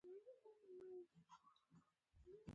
ناسمي بد دی.